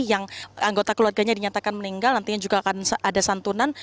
yang anggota keluarganya dinyatakan meninggal nantinya juga akan ada santunan